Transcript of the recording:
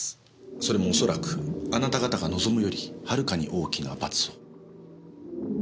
それも恐らくあなた方が望むよりはるかに大きな罰を。